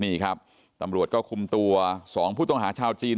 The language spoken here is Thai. นี่ครับตำรวจก็คุมตัว๒ผู้ต้องหาชาวจีน